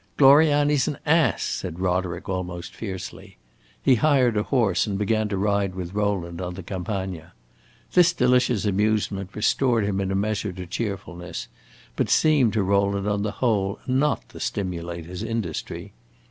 "Gloriani 's an ass!" said Roderick, almost fiercely. He hired a horse and began to ride with Rowland on the Campagna. This delicious amusement restored him in a measure to cheerfulness, but seemed to Rowland on the whole not to stimulate his industry.